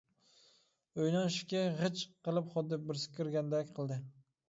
ئۆينىڭ ئىشىكى «غىچ» قىلىپ خۇددى بىرسى كىرگەندەك قىلدى.